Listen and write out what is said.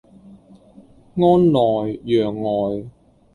安內攘外